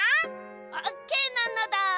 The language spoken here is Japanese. オーケーなのだ。